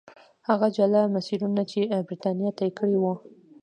هغه جلا مسیرونه چې برېټانیا طی کړي وو.